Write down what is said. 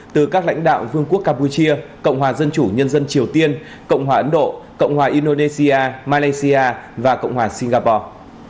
từ các lãnh đạo vương quốc campuchia cộng hòa dân chủ nhân dân triều tiên cộng hòa ấn độ cộng hòa indonesia malaysia và cộng hòa singapore